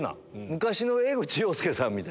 昔の江口洋介さんみたい。